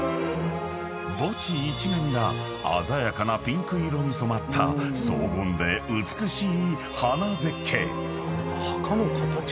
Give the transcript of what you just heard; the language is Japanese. ［墓地一面が鮮やかなピンク色に染まった荘厳で美しい］